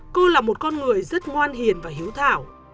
cô là một con người rất ngoan hiền và hiếu thảo